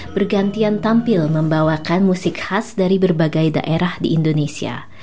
bergantian tampil membawakan musik khas dari berbagai daerah di indonesia